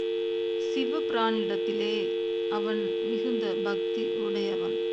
சிவபிரானிடத்திலே அவன் மிகுந்த பக்தி உடையவன்.